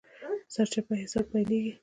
سرچپه حساب يې پيلېږي.